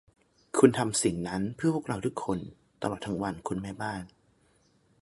คุณทำสิ่งนั้นเพื่อพวกเราทุกคนตลอดทั้งวัน คุณแม่บ้าน